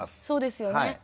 そうですよね。